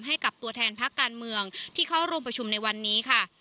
ให้กับตัวแทนพักการเมืองที่เข้าร่วมประชุมในวันนี้ค่ะ